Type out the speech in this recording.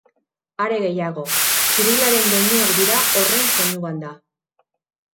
Are gehiago, txirularen doinuak dira horren soinu banda.